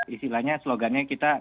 istilahnya slogannya kita